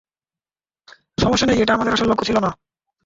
সমস্যা নেই, এটা আমাদের আসল লক্ষ্য ছিল না।